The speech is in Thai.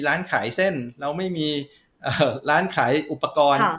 ร้านขายเส้นร้านขายอุปกรณ์